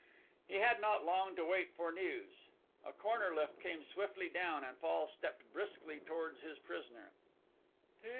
He had not long to wait for news. A corner lift came swiftly down and Fall stepped briskly towards his prisoner.